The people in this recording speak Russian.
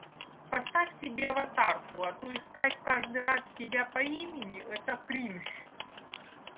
Поставь себе аватарку, а то искать каждый раз тебя по имени это кринж.